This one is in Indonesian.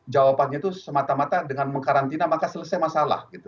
jawabannya itu semata mata dengan mengkarantina maka selesai masalah